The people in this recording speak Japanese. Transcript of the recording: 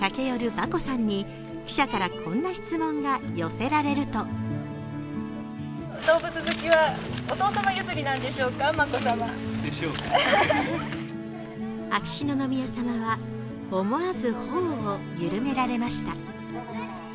大きな犬に駆け寄る眞子さんに記者からこんな質問が寄せられると秋篠宮さまは思わず頬を緩められました。